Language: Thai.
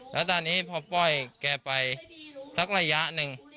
แล้วตอนนี้พอปล่อยแกไปสักระยะหนึ่ง